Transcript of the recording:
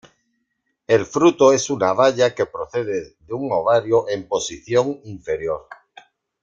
El fruto es una baya que procede de un ovario en posición inferior.